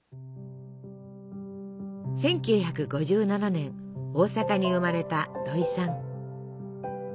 １９５７年大阪に生まれた土井さん。